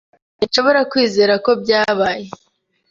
Sinshobora kwizera ko byabaye.